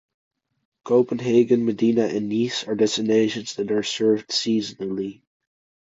Copenhagen, Medina and Nice are destinations that are served seasonally.